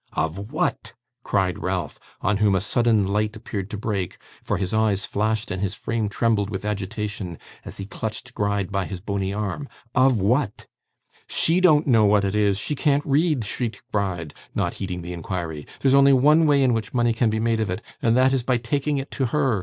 'Of WHAT?' cried Ralph, on whom a sudden light appeared to break, for his eyes flashed and his frame trembled with agitation as he clutched Gride by his bony arm. 'Of what?' 'She don't know what it is; she can't read!' shrieked Gride, not heeding the inquiry. 'There's only one way in which money can be made of it, and that is by taking it to her.